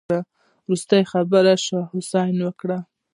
وروستۍ خبرې شاه حسين وکړې.